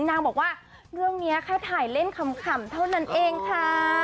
นางบอกว่าเรื่องนี้แค่ถ่ายเล่นขำเท่านั้นเองค่ะ